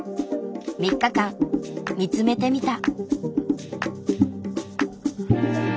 ３日間見つめてみた。